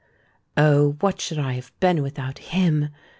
"Oh! what should I have been without him?"